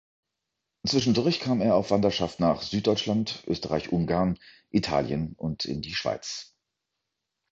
Zwischendurch kam er auf Wanderschaft nach Süddeutschland, Österreich-Ungarn, Italien und in die Schweiz.